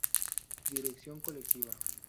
Dirección colectiva.